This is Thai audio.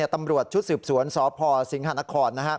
ตำรวจชุดสืบสวนสพสิงหานคร